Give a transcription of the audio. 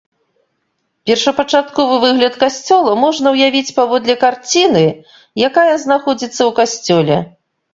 Першапачатковы выгляд касцёла можна ўявіць паводле карціны, якая знаходзіцца ў касцёле.